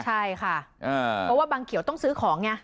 ใช่ค่ะเพราะว่าบังเขียวต้องซื้อของไง